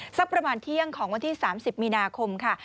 สักประมาณเที่ยงของวันที่๓๐มีนาคมค่ะ